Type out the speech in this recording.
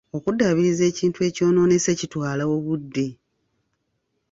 Okuddaabiriza ekintu ekyonoonese kitwala obudde.